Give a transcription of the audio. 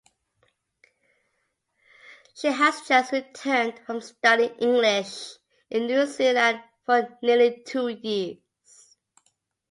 She has just returned from studying English in New Zealand for nearly two years.